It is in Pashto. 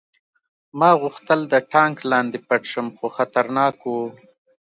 ما غوښتل د ټانک لاندې پټ شم خو خطرناک و